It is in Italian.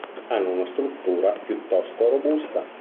Hanno una struttura piuttosto robusta.